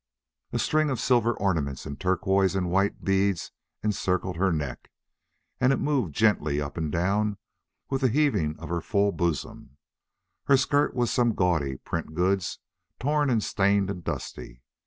A string of silver ornaments and turquoise and white beads encircled her neck, and it moved gently up and down with the heaving of her full bosom. Her skirt was some gaudy print goods, torn and stained and dusty.